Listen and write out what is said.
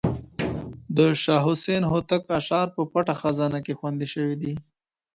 د شاه حسين هوتک اشعار په پټه خزانه کې خوندي شوي دي.